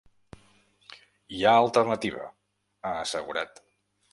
“Hi ha alternativa”, ha assegurat.